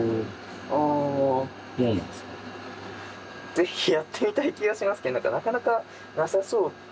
是非やってみたい気がしますけどなかなかなさそう。